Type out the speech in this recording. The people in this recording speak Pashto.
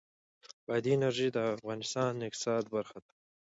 بادي انرژي د افغانستان د اقتصاد برخه ده.